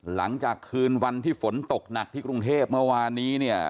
หลังจากคืนวันที่ฝนตกหนักที่กรุงเทพเมื่อวานนี้เนี่ย